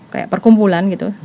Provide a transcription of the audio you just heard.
kayak perkumpulan gitu